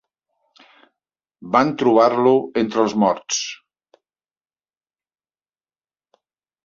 Van trobar-lo entre els morts.